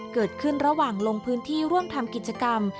เกิดขึ้นระหว่างลงพื้นที่ร่วมทำกิจกรรม